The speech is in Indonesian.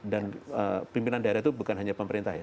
dan pimpinan daerah itu bukan hanya pemerintah ya